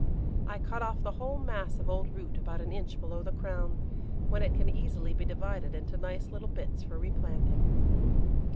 I cut off the whole mass of old root about an inch below the crown, when it can easily be divided into nice little bits for replanting.